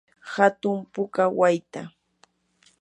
hantu puka wayta.